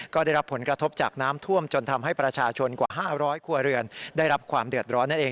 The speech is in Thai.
ก็ได้รับผลกระทบจากน้ำท่วมจนทำให้ประชาชนกว่า๕๐๐ครัวเรือนได้รับความเดือดร้อนนั่นเอง